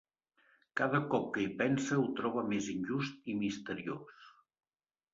Cada cop que hi pensa ho troba més injust i misteriós.